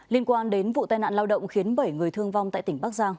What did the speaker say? liên quan đến vụ tai nạn lao động khiến bảy người thương vong tại tỉnh bắc giang